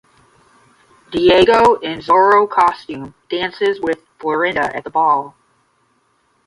Diego, in Zorro costume, dances with Florinda at the ball.